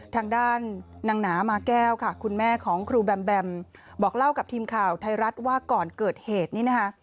ทางด้านนางหนามาแก้วค่ะคุณแม่ของครูแบมแบมบอกเล่ากับทีมข่าวไทยรัฐว่าก่อนเกิดเหตุนี้นะคะ